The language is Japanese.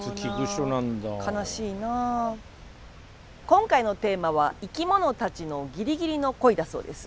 今回のテーマは「生きものたちのギリギリの恋」だそうです。